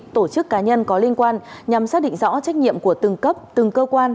tổ chức cá nhân có liên quan nhằm xác định rõ trách nhiệm của từng cấp từng cơ quan